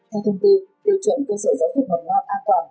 theo thông tin điều chuẩn cơ sở giáo dục mỏng non an toàn